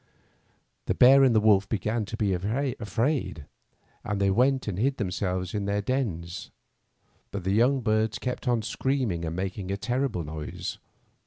The bear and the wolf began to be afraid, and they went and hid themselves in their dens, but the young birds kept on screaming and making a terrible noise.